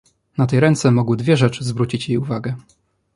"Na tej ręce mogły dwie rzeczy zwrócić jej uwagę."